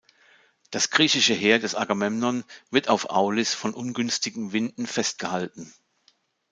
Das griechische Heer des Agamemnon wird auf Aulis von ungünstigen Winden festgehalten.